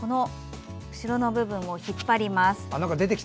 後ろの部分を引っ張ります。